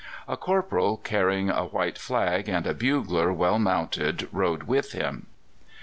A corporal carrying a white flag and a bugler well mounted rode with him.